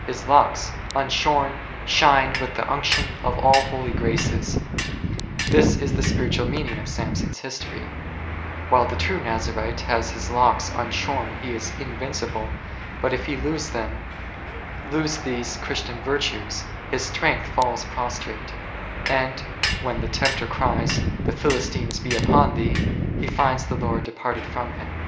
His locks unshorn shine with the unction of all C O •o 32 holy graces ; this is the spiritual meaning of Samson's history : while the true Nazarite has his locks un shorn he is invincible, but if he lose them, lose these Christian virtues, his strength falls prostrate, and when the tempter cries, The Philistines be upon thee, he finds the Lord departed from him.